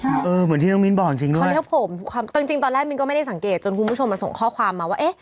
เหมือนที่น้องมินบอกจริงด้วยตอนแรกมินก็ไม่ได้สังเกตจนคุณผู้ชมมาส่งข้อความมาว่า